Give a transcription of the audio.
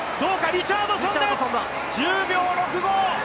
リチャードソンです、１０秒６５。